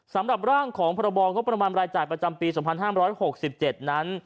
สำหรับร่างของพรบงบประมาณรายจ่ายประจำปี๒๕๖๗นั้น